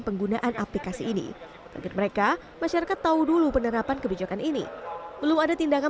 penggunaan aplikasi ini target mereka masyarakat tahu dulu penerapan kebijakan ini belum ada tindakan